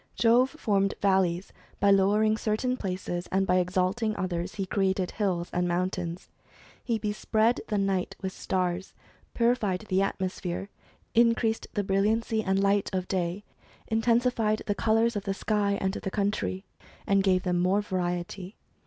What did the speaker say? Jove formed valleys by lowering certain places; and by exalting others he created hills and mountains. He bespread the night with stars ; purified the atmosphere ; increased the brilliancy and light of day ; intensified the colours of the sky and the country, and gave them more variety.